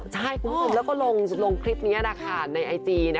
ใช่แล้วก็ลงคลิปนี้นะคะในไอจี